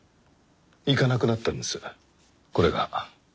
いかなくなったんですこれが。